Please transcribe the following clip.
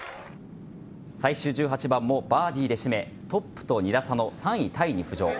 最終１８番もバーディーで締めトップと２打差の３位タイに浮上。